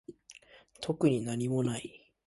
特になにもない